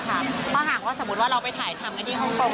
เพราะหากว่าสมมุติว่าเราไปถ่ายทำกันที่ฮ่องกง